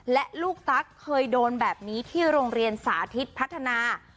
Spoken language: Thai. และลูกตั๊กเคยโดนแบบนี้ที่โรงเรียนสาธิตพัฒนา